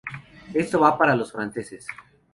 Esto va para los franceses.